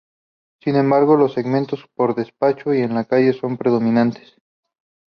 Sin embargo, los segmentos por despacho y en la calle son los predominantes.